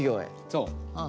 そう。